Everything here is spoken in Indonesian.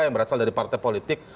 yang berasal dari partai politik